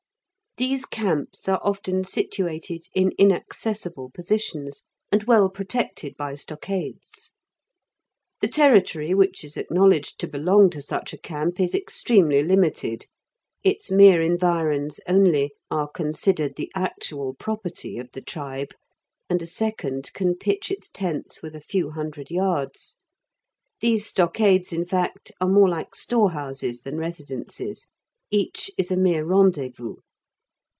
These camps are often situated in inaccessible positions, and well protected by stockades. The territory which is acknowledged to belong to such a camp is extremely limited; its mere environs only are considered the actual property of the tribe, and a second can pitch its tents with a few hundred yards. These stockades, in fact, are more like store houses than residences; each is a mere rendezvous.